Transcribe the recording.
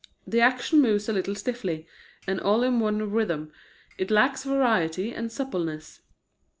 The action moves a little stiffly, and all in one rhythm. It lacks variety and suppleness.